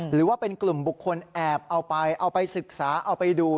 หรือว่าเป็นกลุ่มบุคคลแอบเอาไปเอาไปศึกษาเอาไปดู